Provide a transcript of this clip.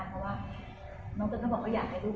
หรือเป็นอะไรที่คุณต้องการให้ดู